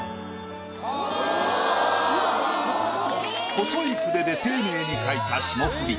細い筆で丁寧に描いた霜降り。